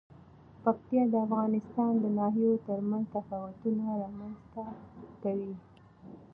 پکتیا د افغانستان د ناحیو ترمنځ تفاوتونه رامنځ ته کوي.